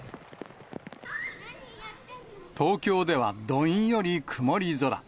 東京ではどんより曇り空。